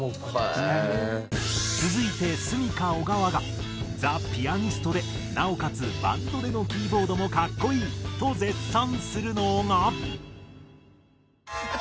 続いてｓｕｍｉｋａ小川がザ・ピアニストでなおかつバンドでのキーボードも格好いいと絶賛するのが。